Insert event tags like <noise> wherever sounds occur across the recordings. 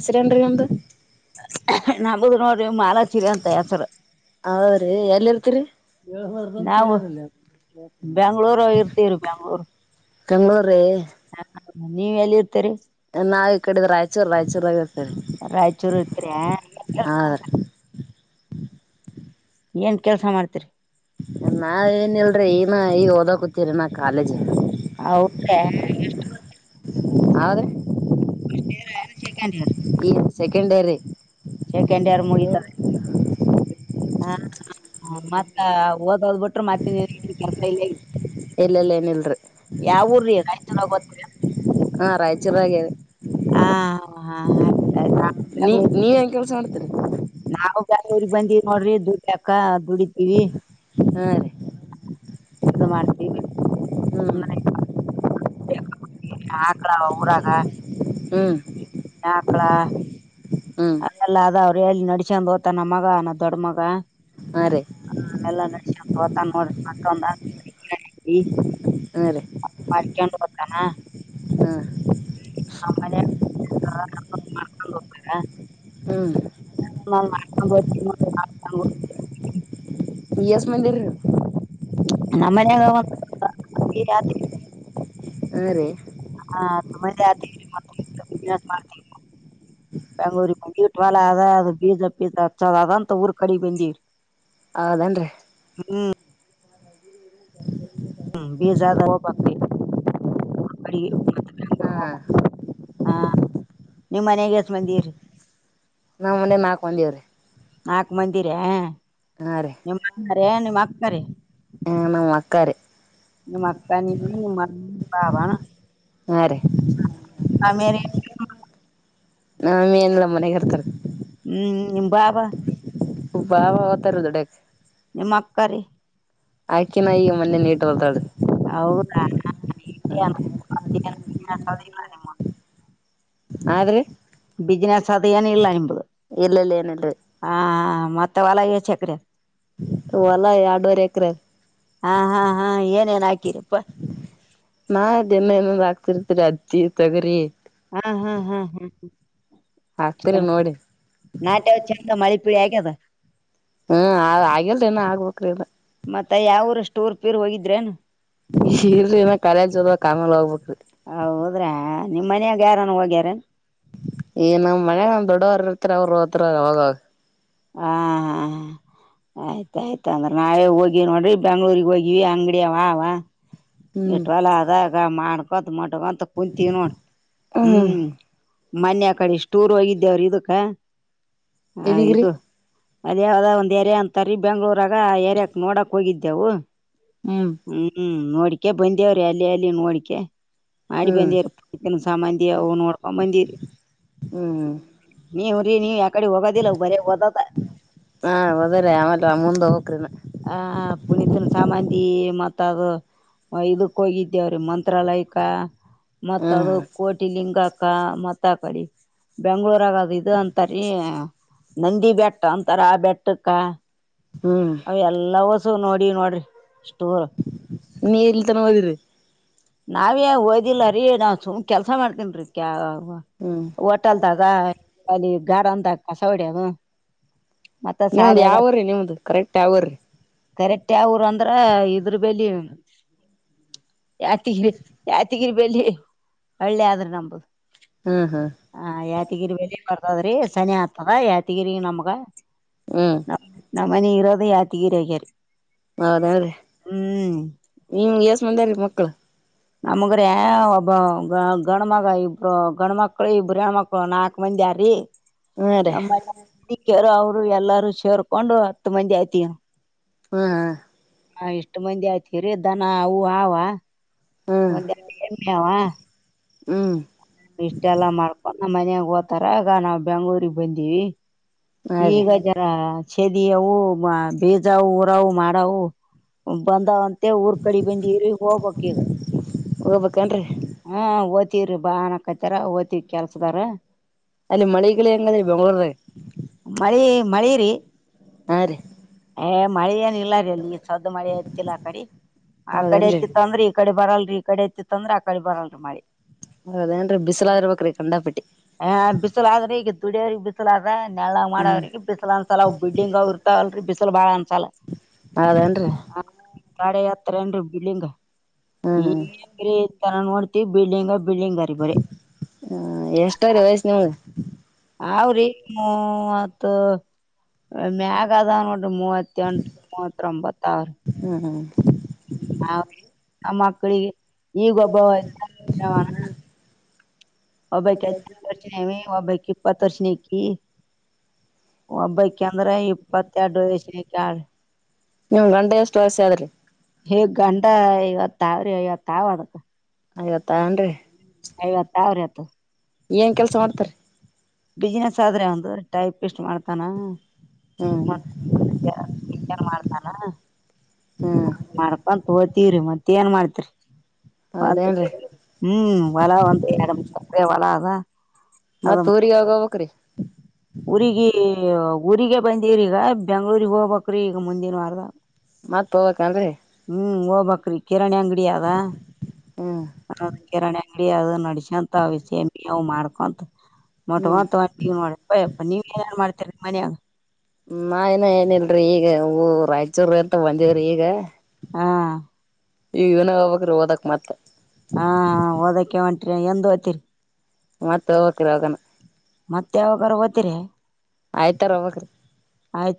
ಅಸರ ಏನ ರಿ ನಿಮ್. ನಮುದು ನೋಡು ಮಾಲಾಶ್ರೀ ಅಂತ ಹೆಸರು. ಹೌದ್ರಿ ಎಲ್ಲಿ ಇರ್ತೀರಿ ನಾವು ಬ್ಯಾಂಗ್ಳೂರ್ ಇರ್ತೀರಿ ಬೆಂಗ್ಳೂರ್. ಕಣ್ಣೂರು ರಿ. ಹ ನೀವ್ ಎಲ್ಲಿ ಇರ್ತರಿ. ಈಕಡೆ ರಾಯಚೂರ ರಾಯಚೂರಾಗ. ಇರ್ತೇರಿ ರಾಯಚೂರಕರ್ಯ. ಹೌದ್ರಿ ಏನ್ ಕೆಲ್ಸ ಮಾಡ್ತರಿ. ನಾ ಏನ್ ಇಲ್ರೀ ಈಗ ನಾ ಈಗ ಓದಕೂತಿವರಿ ನಾ ಕಾಲೇಜ್. ಅವ್ರ <unintelligible> ಸೆಕಂಡ್ ಇಯರ್ <unintelligible> ಈ ಸಕೆಂಡರಿ ಸೆಕೆಂಡ್ ಇಯರ್ ಮುಗಿತ ಹ ಮತ್ತ ಓದೋದ್ ಬಿಟ್ರರು ಮತ್ತ <unintelligible> ಎಲ್ಲೆಲ್ಲ ಏನಿಲ್ರಿ ಊರ್ರಿ ರಾಯಚೂರ ಗೊತ್ತ ಹಾ ರಾಯಚೂರಾಗೇ ಹಾ ಹ ಆಯ್ ನೀ ನೀವ್ ಹೆಂಗ ಕೆಲ್ಸ ಮಾಡ್ತೀರಿ ನಾವು ಊರಿಗ್ ಬಂದಿ ನೋಡ್ರಿ ದುಡ್ಯಕ್ಕ ದುಡಿದೀವಿ ಹ ಇದು ಮಾಡ್ತೀವಿ ಹಾಕ್ಳ ಊರಾಗ ಹ್ಮ್ ಯಕ್ಳಾ ಹ್ಮ್ ಅದಲ್ಲ ಅದ ಅವ್ರು ಹೇಳಿ ನಡಸಂದ್ ಓತನ ನನ್ ಮಗ ನನ್ ದೊಡ್ಡ ಮಗ ಹಾಂ ರಿ ಎಲ್ಲಾ <unintelligible> ನಸತ ನೋಡ ಹಾ ರೀ ಮಾಡ್ಕೊಂಡು ಬತಾನ ಹಾ ನಮ್ಮನೆ ಹ್ಮ್ <unintelligible> ಎಸ್ ಮಂದಿ <unintelligible> ನಮ್ಮನ್ಯಾಗ <unintelligible> ಹಾ ರೀ ಬಿ ಮಾಡ <unintelligible> ಬೆಂಗೂರಿಗೆ ವೀಟ್ ವಾಲ ಅ ಅದು ಪೀಸ ಪೀಸ ಅಚ್ಚಂತ ಊರು ಕಡಿ ಬೆಜಿ <unintelligible> ಹೌದೇನ್ ರೀ. ಹ್ಮ ಬೇಜಾದ ಹಾ <unintelligible> ಹಾ ನಿಮ್ಮ್ ಮನೆಗೆ ಎಷ್ಟ್ ಮಂದಿರಿ? ನಾಮ್ ಮನೆಗ್ ನಾಕ್ ಮಂದಿ ಇವ್ರಿ. ನಾಲ್ಕು ಮಂದಿರ ರೀ ನಿಮ್ಮ <unintelligible> ನಿಮ್ ಅಕ್ಕರಿ ಹ ನಮ್ಮ್ ಅಕ್ಕಾರಿ ನಿಮ್ಮಕ್ಕಾನಿ <unintelligible> ಯ ನಿಮ್ಮಮ್ಮ ಪಾವಣ ಹಾ ರೀ ಅಮೇಲಿ <unintelligible> ಮೇನ್ಲ ಮನೆಗಿರ್ತಾರ. ಹ್ಮ್ ನಿಮ್ ಭಾವ? ಭಾವ ಹೋತಾರೆ ದುಡಿಯಕ್ಕೆ. ನಿಮಕ್ಕರಿ ಆಕಿನ ಈಗ ಮೊನ್ನೆ ಲೇಟ್ ಅದಾಳ ತಗಳ್ರಿ. ಹೌದಾ <unintelligible> ಆದ್ರೆ ಬಿಸಿನೆಸ್ ಅದ ಏನ ಇಲ್ಲ ನಿಂಬುದು ಇಲ್ಲಲ್ಲಿ ಏನಲ್ರಿ ಆ ಮತ್ತೆ ಹೊಲ ಏಷ್ಟೆಕರೆ? ಹೊಲ ಎರಡುವರ್ ಎಕರೆ. ಹಾ ಹಾ ಹಾ ಏನೇನ್ ಹಾಕಿರಪ್ಪ? ಮಾ್ ಎಮ್ಮೆ ಎಮ್ಮದ ಆಗ್ತಿರ್ತರಿ ಅತ್ತಿ ತಗರಿಿ ಹಾಕ್ತಿರಿ ನೋಡಿ ನಾಟೆ ಚಂತ ಮಳೆ ಪೀಳ ಆಗ್ಯದ ಹ್ಮ ಆಗ್ ಆಗಿಲ್ರಿ ಇನ ಆಗ್ಬೇಕ್ರಿ ಈಗ. ಮತ್ತ ಯಾವರು ಟೂರ್ ಗೀರ್ ಹೋಗಿದ್ರೇನು? <unintelligible> ಕಾಲೇಜ ಹೋಗ ಆಮೇಲ್ ಹೋಗ್ಬೇಕು. ನಿಮ್ಮ್ ಮನ್ಯಾಗ ಯಾರನ್ ಹೋಗ್ಯಾರ? ಈ ನಮ್ ಮನೆಲ್ ನಮ್ ದೊಡ್ಡವರು ಇರ್ತರ ಅವರು ಹೋತಾರ್ ಅವಾಗಾವಾಗ. ಹಾ ಹಾ ಆಯ್ತಾಯ್ತು ಹಂಗರೆ ನಾಳೆ ಹೋಗಿ ನೋಡ್ರಿ ಬೆಂಗ್ಳೂರಿಗೆ ಹೋಗಿ ಅಂಗಡಿಯ ಅವ ಅವ ಹ್ಮ್ ಇಟ್ವಲ ಅದಗ ಮಾಡ್ಕೊತ ಮ ಶಿವ ಅಂತ ಕುತ್ತಿನುವ. ಹ್ಮ್ ಮನ್ೆಯ ಕಡೆ ಇಷ್ಟೂರ್ ಹೋಗಿದ್ದೇವ್ರ ಇದಕ್ಕ ಹಾ ಇದೀಗ್ರಿ ಇದು ಅದ ಯಾವದ ಒಂದ್ ಏರಿಯಾ ಅಂತರಿೀ ಬೆಂಗಳೂರಾಗ ಆ ಏರಿಯಕ್ ನೋಡಕ್ ಹೋಗಿದ್ದೆವು ಹ್ಮ್ ಹ್ಮ್ ನೋಡಿಕೆ ಬಂದೇವ್ರಿ ಅಲ್ಲಿ ಅಲ್ಲಿ ನೋಡಿಕ ಮಾಡಿ ಹ್ಮ್ ಬಂದಿತನ್ ಸಾಮಾಂದಿ ಅ ನೋಡ್ಕೊ ಬಂದಿರಿ ಹ್ಮ್ ನೀ ಕಡೆ ಹೊೋಗ ದಲ್ಲ ಬರ ಹೊದ ಹಾ ಹೋದ್ರಿ ಆಮೇಲೆ ಮುಂದ ಹೋಗಕ್ರಿನ ಹ ಪುನೀತ್ನ ಸಾಮಂತಿ ಮತ್ತ ಅದು ಇದಕ್ ಹೋಗಿದ್ದೇವ್ರೀ ಮಂತ್ರಾಲಯಕ್ಕ ಮತ್ತ ಹ್ಮ್ ಅದು ಕೋಟಿ ಲಿಂಗಾಕ್ಕ ಮತ್ತ ಪಡಿ ಬೆಂಗ್ಳೂರ್ಾಗದ ಇದು ಅಂತರಿ ನಂದಿ ಬೆಟ್ಟ ಅಂತಾರ ಆ ಬೆಟ್ಟಕ್ಕ ಹ್ಮ್ ಅವ ಎಲ್ಲ ವಸ ನೋಡಿ ನೋಡ್ರಿ ನೀ ಎಲ್ಲಿ ತನವದಿರಿ ನಾವೇ ಓದಿಲ್ಲರಿೀ ನಾ ಸುಮ್ ಕೆಲ್ಸ ಮಾಡ್ತನ್ ರೀ ಹ್ಮ್ ಹೋಟೆಲ್ದಾಗ ಅಲ್ಲಿ ಗಾರಂದಕ ಸೌಡ್ಯದು ನಿಮ್ದ ಯಾವ್ರೀ ನಿಮ್ದ ಕರೆಕ್ಟ್ ಯಾವ್ರೀ ಕರೆಕ್ಟ್ ಯಾವರು ಅಂದ್ರ ಇದ್ರ ಬಲಿ ಯತಿ ಯಾತಿಗಿರಿ ಬೆಲೆಿ ಒಳ್ಳೆ ಆದ್ರೆ ನಂಬುದು ಹ್ಮ್ ಹ್ಮ್ ಹ ಯಾಾದಗಿರಿ ಬೆ ದ್ರಿ ಶನಿ ಆತದ ಯಾತಿಗಿರಿ ನಮ್ಗ ಹ್ಮ್ ನಮ ಮನ ಇರೋದ ಯಾತಿಗಿರ್ಯಾರೆ ಹೌದನ್್ರೀ ನಿಮ ಎಸ ಮಂದಾರಿೀ ಮಕ್ಳು ನಮಗ್ರ ಒಬ್ಬ ಗ ಗಂಡ ಮಗ ಇಬ್ರು ಗಂಡ ಮಕ್ಳು ಇಬ್ರು ಹೆಣ್ಮಕ್ಳು ನಾಕು ಮಂದ ಾರಿೀ ಹಾ ರೀ ನಮ್ಮರು ಅವರು ಎಲ್ಲಾರೂ ಸೇರ್ಕೊಂಡು ಹತ್ತು ಮಂದಿ ಆಯ್ತಿ ಹಾ ಹಾ ಹ ಇಷ್ಟು ಮಂದಿ ಆಯತರ್ದಾನ ಅವು ಆವ ಹ್ಮ್ ಒಂದುಡುಾವ ಹ್ಮ್ ಇಷ್ಟೆಲ್ಲಾ ಮಾಡ್ಕೊಂಡ್ ಮನ್ಯಾಗ ಓ್ತಾರ ಆಗ ನಾವವು ಬೆಂಗ್ಳೂರಿಗೆ ಬಂದಿವವಿ ಹಾ ರೀ ಈಗ ಜರ ದಿಯವು ಬೀಜ ಊರವು ಮಾಡವು ಬಂದಾವಂತೆ ಊರ್ ಕಡಿ ಬಂದಿರಿ ಹೋಗ್ಬಕ್ ಈಗ ಹೋಗ್ಬೇಕೇನ್ರಿ ಹಾ ಓತವ್ರಿ ಬಾಾನಕತ್ತಾರ ಓ್ತಿವಿ ಕೆಲ್ಸದಾರ ಅಲ್ಲಿ ಮಳಿಗಳ ಹೆಂಗಾದ್ರಿ ಬೆಂಗ್ಳೂರ್ದಾಗ ಮಳಿ ಮಳಿರಿ ಆ ಮಳೆ ಏನ್ ಇಲ್ಲ ರೀ ಅಲ್ಲಿ ಸದ್ದ ಮಳೆ ಐತಿಲ್ಲ ಆ ಕಡೆ ಆ ಕಡೆ ಹೌದೇನ್ರಿ ಐತಿತ್ತ ಅಂದ್ರೆ ಈ ಕಡೆ ಬರಲ್ರಿ ಈ ಕಡೆ ಐತಿತ್ತು ಅಂದ್ರೆ ಆ ಕಡೆ ಬರಲ್ರ ಮ ಮಾಡಿ ಹ ಅದೇಏನ್ೀ ಬಿಸಿಲಾಗಿರ್ಬೇಕ್ರಿ ಖಂಡಾಪಟಿ ನೆಲ್ಗ್ ಮಾಡ ಅವ್ರಿಗೆ ಬಿಸಿಲು ಅನ್ಸಲ ಅವ ಬಿಡಿಂಗ್ ಅವ ಇರ್ತಾವಲ್ರಿೀ ಬಿಸಲು ಬಾಳ ಅನ್ಸಲ್ಲ ಅದೇನ್ರಿ ನಾಡ ಹತ್ರ ಏನ್ೀ ಬಿಲ್ಡಿಂಗ್ ಹ್ಮ್ ಈ ತರ ನೋಡ್ತಿವಿ ಬಿಲ್ಡಿಂಗ ಬಿಲ್ಡಿಂಗರಿ ಬರೇ. ಹ ಎಷ್ಟ ರೀ ವಯಸ್ಸ ನಿಮಗ್. ಅವ್ರಿ ಹ ಮತ್ತ ಮ್ಯಾಗ ಅದ ಮೂವತ್ತ ಮೂತ್ರ ಬತ್ತಾವ ಹ್ಮ್ ಹ್ಮ್ ಹ ಆ ಮಕ್ಕಳಿಗೆ ಈಗ ಒಬ್ಬ ಒಬ್ಬಾಯರ್ಷನೀ ಒಬ್ಬಾಯಿ ಇಪ್ಪತ್ತರ್ಷನೇಕಿ ಒಬ್ಬಕಂದ್ರ ಇಪ್ಪತ್ತೆರಡು ವಯಸಕಳ ವಂಡ ಎಷ್ಟ ವಸ ಆದ ಆದ್ರ ಹೇಗ್ ಗಂಡ ಇವತ್ಾವ್ರಿ ಇವತ್ಾವ ಅದಕ್ಕ ಐವತ್ತನ್ೀ ಐವತ್ತು ಅವ್ರ ಆತು. ಏನ್ ಕೆಲ್ಸ ಮಾಡ್ತೀರಿ. ಬಿಸ್ನೆಸ್ ಆದರಿ ಅವ್ಂದು ಟೈಪಷ್ಟ್ ಮಾಡ್ತಾನ. ಹ್ಮ್ ಚನ್ ಮಾಡ್ತಾನ ಹ್ಮ್ <inaudible> ಮಾಡ್ಕೊಂತ್ ಹೋತೀವ್ರಿ ಮತ್ತತ್ ಏನ್ ಮಾಡ್ತ್ರಿ. ಹೌದೇನ್ರಿ ಹ್ಮ್ ಹೊಲವಂದ ಎರಡ್ ಮೂರ್ ಎಕ್ರೆ ಹೊಲ ಅದ. ಮತ್ತ ಊರಿಗ ಯಾವಾಗ ಹೋಗ್ಬೇಕ್ರಿ. ಊರಿಗ ಊರಿಗೆ ಬಂದಿವ್ರಿ ಈಗ ಬೆಂಗ್ಳೂಗ್ ಹೋಗ್ ಬೆಕ್ರಿ ಈಗ ಮುಂದಿನ ವಾರದ. ಮತ್ ಹೋಗ್ಬೇಕ ಏನ್ರಿ. ಹ್ಮ್ ಹೋಗ್ಬಕ್ರಿ ಕಿರಾಣಿ ಅಂಗಡಿ ಅದ ಹ್ಮ್ ಕಿರಾಣಿ ಅಂಗಡಿ ಅ ನಡ. ಹಂತವ ವಿಷೇಮವು ಮಾಡ್ಕೊಂತ. ಮೊಟ ಹ್ಮ್ ಮಾಡಪ್ಪ ನೀವ ಏನ ಮಾಡ್ತೀರಿ ಮನ್ಯಾಗ. ನಾ ಇನ ಏನಿಲ್ರೀ ಈಗ ಹೂ ರಾಯಚೂರ್ ಅಂತ ಬಂದಿವ್ರಿ ಈಗ. ಹಾ. ಈಗ ಇವನ ಹೋಗ್ಬೇಕ್ರಿ ಓದಕ್ ಮತ್ತ್. ಹಾ ಹಾ ಓದಕ್ಕೆ ಹೊಂಟ್ರ ಎಂದ ಹೋಗ್ತೀರಿ. ಮತ್ತ ಹೋಗ್ಬೇಕ್ರಿ ಇದಗನ. ಮತ್ತ ಯಾವಾಗಾರ ಓತಿರಿ. ಆಯ್ತಾರ ಅವಕ್ರೀ.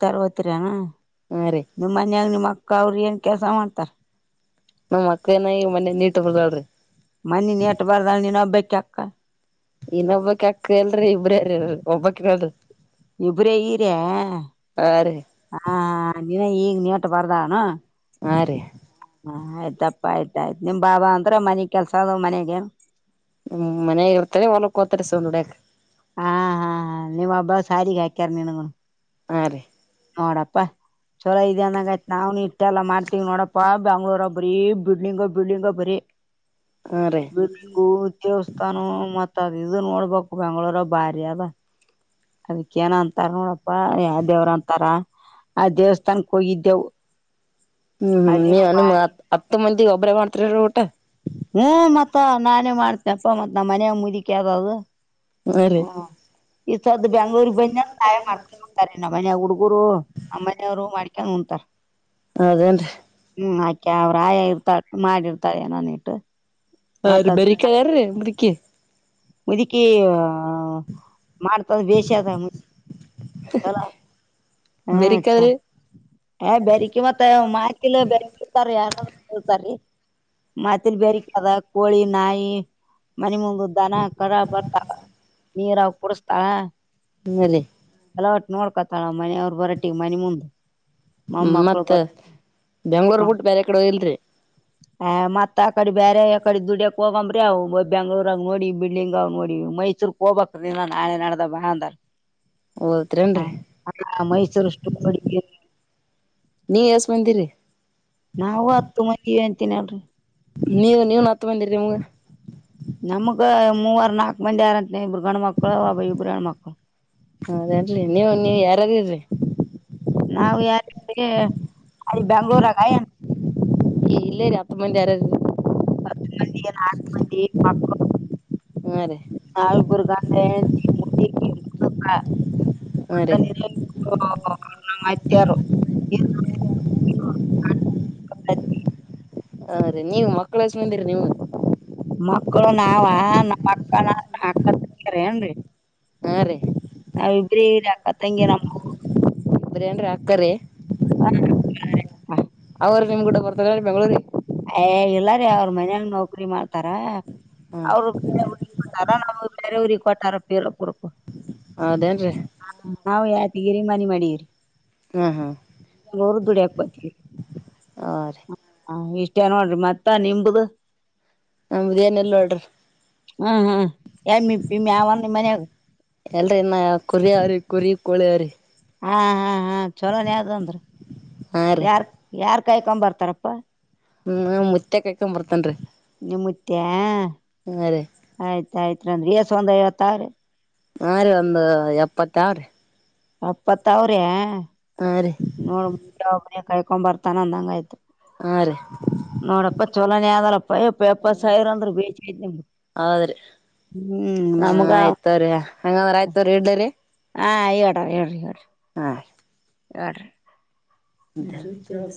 ತರ್ ಹೋಗ್ತೀರಾ ನಿಮ್ಮ್ ಮನ್ಯಾಗ ನಿಮ್ಮ ಅಕ್ಕ ಅವ್ರ ಏನ್ ಕೆಲ್ಸ ಮಾಡ್ತಾರ. ನಮ್ಮ್ ಅಕ್ಳ ನ ಈ ಮನೆ ನೀಟ ಬರ್ದಾಲ್ರಿ. ಮನ್ನೆ ನೀಟ್ ಬರದಲ್ ಎನ್ನೊಬ್ಕೆ ಅಕ್ಕ. ಇನ್ನೊಬ್ಬಕ್ ಅಕ್ಕ ಎಲ್ರಿ ಇಬ್ರಾರಿ ಇರೋದು ಒಬ್ಬಕಿನ ಇರೋದು. ಇಬ್ರೇ ಈರ ರೀ ಹ ನೀ ಈಗ ನೀ. ಬರದಾಲೇನ್. ಹಾ ರೀ. ಹ ಆಯ್ತಪ್ಪಾ ಆಯ್ತ ಆಯ್ತ್ ನಿಮ್ ಬಾ ಅಂದ್ರ ಮನಿಗ್ ಕೆಲ್ಸ ಅದಾವ್ ಮನೆಗೆ. ಹ ಮನಗ ಇರ್ತಾರೆ ಹೊಲಕ್ಕೋತೀರಿ ದುಡ್ಯಾಕ್. ಕಾಡಿಗ ಹಾಕ್ಯರ್ ನಿನಗೂನು. ಹಾ ರೀ. ನೋಡಪ್ಪಾ. ಚೊಲೋ ಇದ ಅಂದಂಗ ಆಯ್ತ್ ನಾವ್ ಇಟ್ಟ ಎಲ್ಲ ಮಾಡ್ತವ್ ನೋಡಪ್ಪಾ ಬೆಂಗಳೂರುರ ಬರೀ ಬಿಲ್ಡಿಂಗ ಬಿಲ್ಡಿಂಗ ಬರೀ ಹಾ ರೀ ಬೆೇಕು ದೇವಸ್ಥಾನ ಮತ್. ಮತ್ತಾ ಅದ ಇದು ನೋಡ್ಬೇಕು ಬೆಂಗ್ಗಳೂರದಗ್ ಮಾತ್ರ ಭಾರಿ ಅದ ಅದಕ್ಕ ಏನ ಅಂತಾರ ನೋಡ. ಯಾವ ದೇವ್ರ ಅಂತಾರ ಆ ದೇವಸ್ಥಾನಕ್ ಹೋಗಿದ್ದೆವು. ಹ್ಮ್ ಹ್ಮ್ ಅಲ್ಲಿನೂ ನೀವ ನಿಮ ಬಾರಿ ಹತ್ ಹತ್ತು ಮಂದಿ ಒಬ್ಬರೇ ಮಾಡ್ತರಿ ಊಟ.. ಹ್ಮ ಮತ್ತ ನಾನೇ ಮಾಡ್ತೇನಪ್ಪ ಮತ್ ನಮ್ಮ ಮನಯ ಮುದಿಕ ಯಾವ್ದದು. ಹಾ. ಈ ಸದ್ದನ ಬೆಂಗ್ಳೂರಿಗೆ ಬಂದಿ ತಾಯ ಮಾಡ್ಕೊಂಡತಾರೆ ನಮ್ಮ ಮನ ಹುಡ್ಗರು ನಮ್ಮನೆಯವ್ರು ಮಾಡ್ಕೊಂಡ ಉಂತಾರೆ. ಅದೇನ್ ಅಕ ಅವ್ರ ಆಯಾ ಇರ್ತಾಳ ಮಾಡಿತಳ ಏನೋನ್ ಇಟ್ಟು ಹ ರೀ ಬರಿಕ ಅದಾರೀ ಅ್ರಕಿ ಮುುದಕಿ ಮಾಡ್ತದ ಬೇಷ ಅದ ಮು. ಚಲ ಹ್ಮ್ ಅಚಾ. ಬೆರಿಕದ್ರಿ ಬೆರಿಕಿ ಮತ್ತ ಮಾತಿಲ್ ಬೇಕರಿ ಇತಾರ ಯಾರಾದ ಹತಾರೀ. ಮಾತಿನ ಬೈಕರ್ಸ್ ಬೇರೆದ ಕೋಳಿ ನಾಯಿ ಮನೆ ಮುಂದದ್ದಾನ. ಬಡ ಬರ್ತಾರ ನೀರ ಕುಡಸ್ತಾರ. ಹ್ಮ ರೀ. ಅಲವಟ್ಟ ನೋಡ್ಕೊತಾಳ ಮನೆ ಅವ್ರು ಬರಟಿಗೆ ಮನೆ ಮುಂದೆ. ಹ್ಮ ಮತ್ತತ್ ಬೆಂಗ್ಳೂರ್ ಬಿಟ್ಟು ಬೇರೆ ಕಡೆ ಇಲ್ರಿ. ಆ್ ಮತ್ತತ್ ಆ ಕಡೆ ಬೇರೆ ಯಕಡೆ ದುಡ್ಯಕಕ್ ಹೋಗಂಬ್ರಿ ಅವು ಬ ಬೆಂಗ್ಳೂರಾಗ ನೋಡಿ ಬಿಲ್ಡಿಂಗ್ ಆಗ ನೋಡಿ. ಮೈಸೂರ್ ಹೋಗಬೇಕಿನ ನಾಳೆ ನಡ್ದ ಬ ಅಂದರ್ ಓದತ್ರೇನ್ರರಿ ಹ ಮೈಸೂರು ಅಷ್ಟು ನೀ ಎಸ್ ಬಂದಿರಿ ನಾವು ಹತ್ತು ಮಂದಿ ಅಂತೀನಿ ಅಲ್ರರಿ ನೀವ ನೀವ ಹತ್ತ ಬಂದಿರಿರಿಮ್ಗ ನಮಗ ಮೂವರ್ ನಾಕ ಮಂದಿ ಯಾರಂತ ಇರು ಗಂಡ್ ಮಕ್ಕಳ ಒಬ್ರ್ ಇಬ್ರ ಮಕ್ಕಳ ಹೌದೇನ್ರಿ ನೀವು ನೀವ್ ಯಾರಾರರಿ ನಾವು ಯಾರ ಅಲ್ಲಿ ಬೆಂಗಳೂರಗೆ ಏ ಇಲ್ಲೇ ರೀ ಹತ್ತು ಮಂದಿ ಯರ ಮಂದ ನಾಲ್ಕು ಮಂದಿಕ ಹಾ ರೀ ನಲ್ ಗುರ್ಗ ಮೂಡಿ ಮು ಅ ತ್ಯಾರ ಹಾ ರೀ ನೀವು ಮಕ್ಕಳ ಹೆಸಂದಿರರಿ ನೀವು ಮಕ್ಳು ನಾವ ನಮ್ಮ ಅಕ್ಕನ ಹಾಕತ್್ರ ಏನ್ರಿ ಹಾ ರೀ ನಾವಿಬ್ರ ಇಾಕ್ಕತಂಗಗೆ ನಮ್ಮ ಹೇ ರಿ ಆಕರೆ ಹ ಹಾ ಅವ ನಿಮ್ ಗೂಡ ಬರ್ತಾರೆ ರೀ ಬೆಂಗಗಳೂರಿಗೆ ಏ ಇಲ್ಲಾರಿೀ ಅವ್ರ ಮನ್ಯಾಗ ನೌಕ್ರರಿ ಮಾಡ್ತಾರ ಹಾ ಅವರು ಕೊಟ್ಟಾರ ನಾವು ಬೇರೆೆಯವಊ್ರ ಕೊಟ್ಟಾರ ಪರಪುರಕ್ಕೂ ಹೌದೇನ್ರಿ ನಾವ ಯ ನೀರೇ ಮನೆ ಮಾಡಿರಿ ಹಾ ಹಾ ಗೋರು ದುಡಿ ಹಾಕತವಿ ಹಾ ರೀ ಎಷ್ಟ ಅ ನೋಡ್ರಿ ಮತ್ತ ನಿಂಬ್ದ ನಮಗೇನ್ ಎಲ್ಲ ಹೊಡ್ರಿ ಹ್ಮ್ ಹ್ಮ ಎ ಯ ಮನ ಎಲ್ರ ಇನ್ನ ಕುರಿ ಅವ್ರಿ ಕುರಿ ಕೋಳಿರಿ ಹಾ ಹಾ ಹಾ ಚೋಲೋನ್ ಯಾವ್ದ ಅಂದ್ರ ಹಾ ರೀ ಯಾರ್ ಯಾರ್ ಕಾಯ್ಕೊ ಬರ್ತಾರಪ್ಪ ಹ್ಮ ಮುಚ್ಚಕ್ ಕಾಯ್ಕೊಂಡ್ ಬರ್ತನ್ ರಿ ಎ ಆಯ್ತಾಯ್ತ್ಂದ್ರರಿ ಎಸ್ ಒಂದ ಐವತ್ತಾರ್ರ ಆರು ಒಂದು ಎಪ್ಪತ್ತ ಆರು ಅಪ್ಪತ್ ಅವ್ರೆ ರೀ ನೋಡ್ ಮು್ರ ಕಾಯಕೊ್ ಬರ್ತಾನ ಅಂದಂಗ ಆಯ್ತು ಆ ರೀ ನೋಡಪ್ಪ ಚಲೋನೇ ಆದದಲಪ್ಪಯ ಪೇಪರ್ಸ್ಾಯರ ಅಂದ್ರ ಬೇ ಹಾ ಆಯ್ತವ್ರೀ ಹಂಗಾದ್ರ ಆಯ್ತವ್ರೀ ಹಿಡ್ಡಲ್ಲಿ ಹಾಂ ಹೇಳಿರಿ ಹೇಳಿರಿ ಹೇಳಿ ಹಾ ಯ ಬ